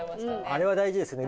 あれは大事ですね。